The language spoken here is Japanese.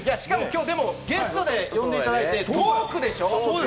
でも、きょうゲストで呼んでいただいて、トークでしょう？